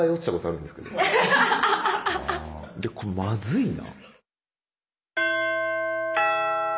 僕はこれまずいな。